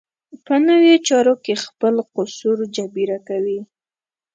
په نورو چارو کې خپل قصور جبېره کوي.